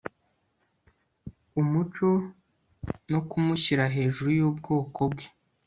umuco no kumushyira hejuru yubwoko bwe ..